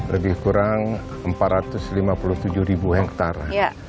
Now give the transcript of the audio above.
lebih kurang empat ratus lima puluh tujuh ribu hektare